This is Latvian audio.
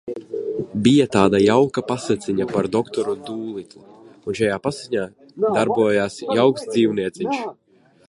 Bija tāda jauka pasaciņa par doktoru Dūlitlu, un šajā pasaciņā darbojās jauks dzīvnieciņš.